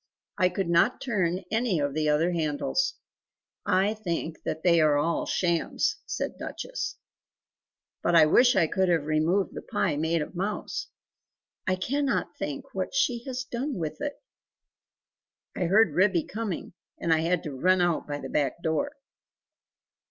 I could not turn any of the other handles; I think that they are all shams," said Duchess, "but I wish I could have removed the pie made of mouse! I cannot think what she has done with it? I heard Ribby coming and I had to run out by the back door!"